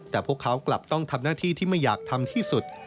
แต่พวกเขากลับต้องทำหน้าที่ที่ไม่อยากทำที่สุด